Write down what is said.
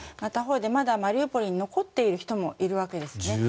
他方でまだマリウポリに残っている人もいるわけですね。